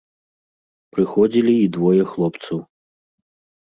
Прыходзілі і двое хлопцаў.